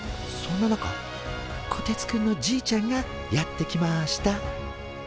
そんな中こてつくんのじいちゃんがやって来ました！